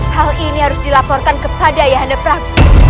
hal ini harus dilaporkan kepada ayah hanefram